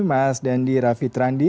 mas dandi rafi terandi